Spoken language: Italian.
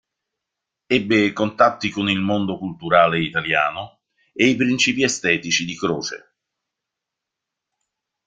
Ebbe contatti con il mondo culturale italiano e i principi estetici di Croce.